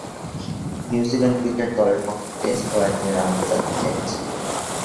New Zealand cricket দলের পক্ষে test ও একদিনের আন্তর্জাতিকে খেলছেন।